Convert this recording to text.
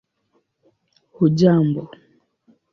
hujambo